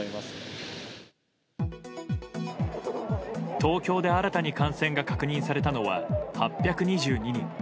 東京で、新たに感染が確認されたのは８２２人。